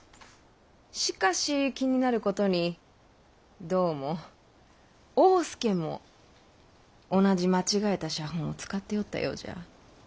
しかし気になることにどうも大典侍も同じ間違えた写本を使っておったようじゃ。